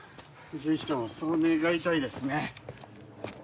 ぜひともそう願いたいですね。